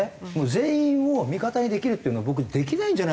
全員を味方にできるっていうのは僕できないんじゃないかなと。